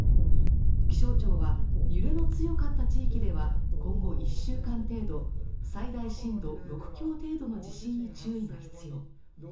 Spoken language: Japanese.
気象庁は、揺れの強かった地域では今後１週間程度最大震度６強程度の地震に注意が必要。